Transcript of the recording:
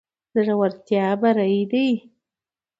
زړورتيا بري ده.